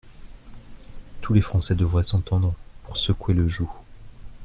Tous les Français devraient s’entendre pour secouer le joug.